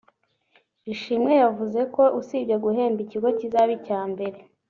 Ishimwe yavuze ko usibye guhemba ikigo kizaba icya mbere